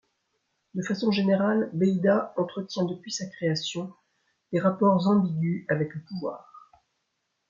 De façon générale, Beida entretient depuis sa création des rapports ambigus avec le pouvoir.